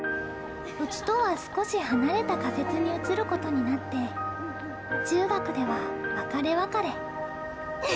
うちとは少し離れた仮設に移る事になって中学では別れ別れ。